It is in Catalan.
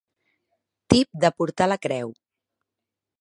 Tip de portar la creu.